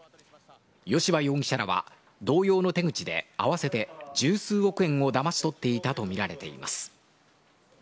吉羽容疑者らは、同様の手口で合わせて十数億円をだまし取っていたと見られています。